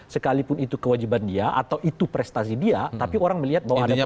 sekalipun itu kewajiban dia atau itu prestasi dia tapi orang melihat bahwa ada perubahan